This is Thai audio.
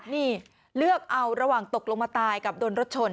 นี่เลือกเอาระหว่างตกลงมาตายกับโดนรถชน